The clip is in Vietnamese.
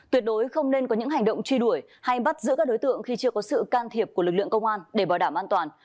tuyệt đối không nên có những hành động truy đuổi hay bắt giữ các đối tượng khi chưa có sự can thiệp của lực lượng công an để bảo đảm an toàn